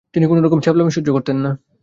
তিনি কোনো রকম ছ্যাবলামি সহ্য করতেন না।